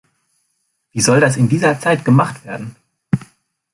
Wie soll das in dieser Zeit gemacht werden?